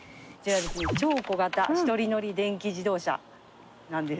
超小型一人乗り電気自動車なんです。